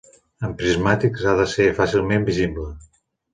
Amb prismàtics ha de ser fàcilment visible.